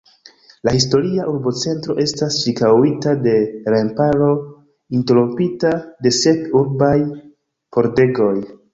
La historia urbocentro estas ĉirkaŭita de remparo, interrompita de sep urbaj pordegoj.